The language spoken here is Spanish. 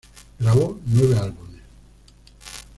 Grabó nueve álbumes.